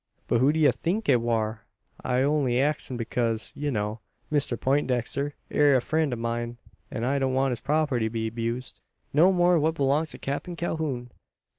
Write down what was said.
But who do ye think it war? I'm only axin' because, as ye know, Mr Peintdexter air a friend o' mine, an I don't want his property to be abused no more what belongs to Capen Calhoun.